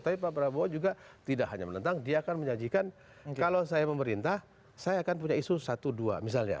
tapi pak prabowo juga tidak hanya menentang dia akan menyajikan kalau saya pemerintah saya akan punya isu satu dua misalnya